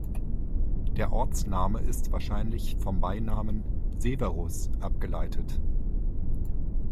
Der Ortsname ist wahrscheinlich vom Beinamen "Severus" abgeleitet.